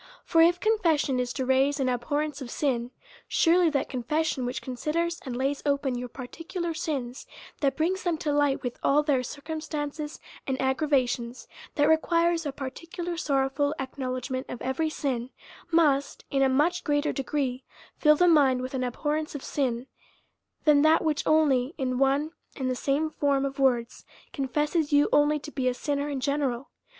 For if con fession is to raise an abhorrence of sin, surely that confession which considers and lays open your parti cular sins, that brings them to light with all their cir cumstances and aggravations, that requires a particular sorrowful acknowledgement of every sin, must, in a much g reater degree, fill the mind with an abhorrence of sin, than that which only in one and the same form of words confesses you only to be a sinner in general.